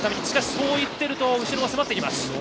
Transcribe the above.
しかし、そう言っていると後ろが迫ってきます。